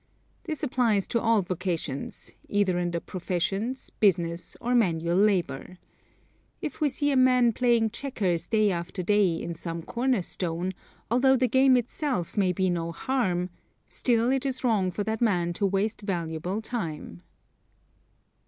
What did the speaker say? This applies to all vocations, either in the professions, business, or manual labor. If we see a man playing checkers day after day in some corner store, although the game itself may be no harm, still it is wrong for that man to waste valuable time.